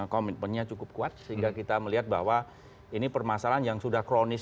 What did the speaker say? komitmennya cukup kuat sehingga kita melihat bahwa ini permasalahan yang sudah kronis